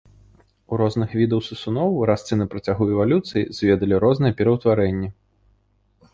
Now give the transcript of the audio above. У розных відаў сысуноў разцы на працягу эвалюцыі зведалі розныя пераўтварэнні.